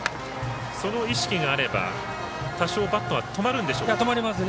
その意識があれば多少バットは止まるんでしょうか。